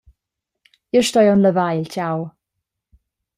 Jeu stoi aunc lavar il tgau.